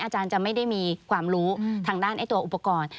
อาจารย์จะไม่ได้มีความรู้ทางด้านตัวอุปกรณ์